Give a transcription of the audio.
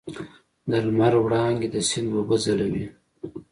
د لمر وړانګې د سیند اوبه ځلوي.